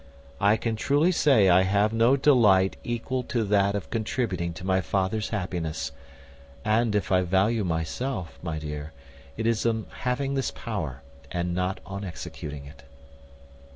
I can truly say I have no delight equal to that of contributing to my father's happiness; and if I value myself, my dear, it is on having this power, and not on executing it."